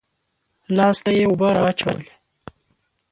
لاس ته يې اوبه رااچولې.